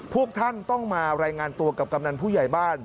พวกท่านต้องมารายงานตัวกับกำนันผู้ใหญ่บ้าน